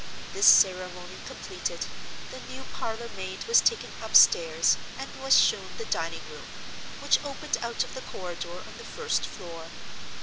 This ceremony completed, the new parlor maid was taken upstairs, and was shown the dining room, which opened out of the corridor on the first floor.